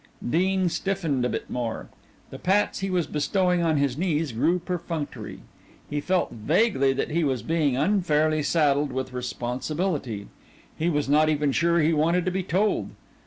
Dean stiffened a bit more. The pats he was bestowing on his knees grew perfunctory. He felt vaguely that he was being unfairly saddled with responsibility; he was not even sure he wanted to be told.